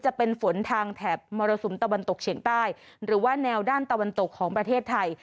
จะเป็นฝนทางแถบมรสุมตะวันตกเฉียงใต้หรือว่าแนวด้านตะวันตกของประเทศไทย